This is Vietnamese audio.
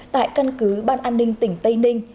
tại căn cứ ban an ninh tỉnh tây ninh